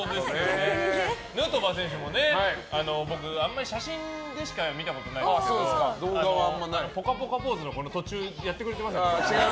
ヌートバー選手も僕、あんまり写真でしか見たことないんですけどぽかぽかポーズの途中違います。